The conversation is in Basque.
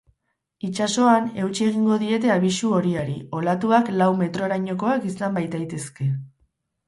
Itsasoan, eutsi egingo diete abisu horiari, olatuak lau metrorainokoak izan baitaitezke.